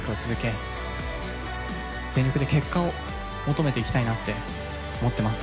全力で結果を求めていきたいなって思ってます。